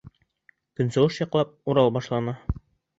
Көнсығыш яҡлап Урал башлана.